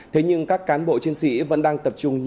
thế nhưng các cán bộ chiến sĩ vẫn đang tập trung